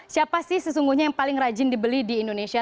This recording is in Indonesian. siapa sih yang sesungguhnya paling rajin dibeli di indonesia